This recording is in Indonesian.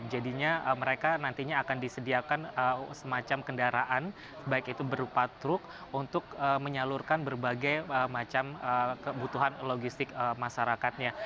jadinya mereka nantinya akan disediakan semacam kendaraan baik itu berupa truk untuk menyalurkan berbagai macam kebutuhan logistik masyarakatnya